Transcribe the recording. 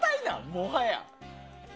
もはや。